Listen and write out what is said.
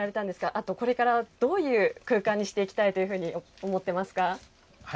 あと、これからどういう空間にしていきたいというふうに思ってますか。